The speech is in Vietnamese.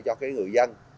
cho cái người dân